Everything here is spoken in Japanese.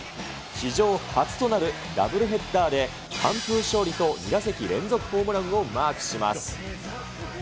史上初となる、ダブルヘッダーで完封勝利と２打席連続ホームランをマークします。